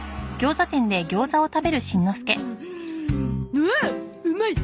おおうまい！